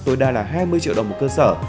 tối đa là hai mươi triệu đồng một cơ sở